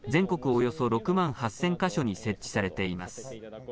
およそ６万８０００か所に設置されています。